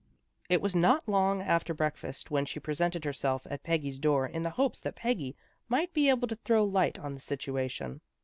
It was not long after breakfast when she presented herself at Peggy's door hi the hopes that Peggy might be able to throw light on the situation.